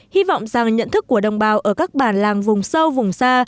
hy vọng rằng nhận thức của đồng bào ở các bản làng vùng sâu vùng xa